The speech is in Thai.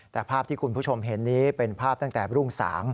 แต่ภาพที่คุณผู้ชมเห็นนี้เป็นภาพตั้งแต่รุ่งสาง